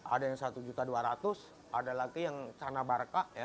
ada yang satu dua ratus ada lagi yang cana barca